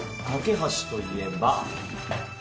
かけ橋といえば。